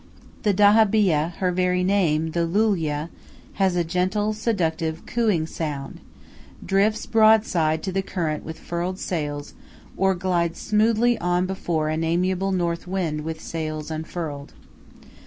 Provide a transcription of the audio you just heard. The dahabiyeh her very name, the Loulia, has a gentle, seductive, cooing sound drifts broadside to the current with furled sails, or glides smoothly on before an amiable north wind with sails unfurled.